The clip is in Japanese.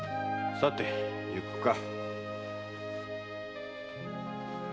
さて行くか。